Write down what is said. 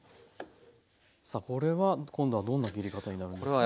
これは今度はどんな切り方になるんですか？